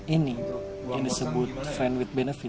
ini yang disebut fran with benefit